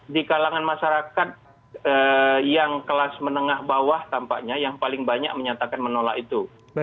di kalangan masyarakat yang kelas menengah bawah tampaknya yang paling banyak menyatakan menolak itu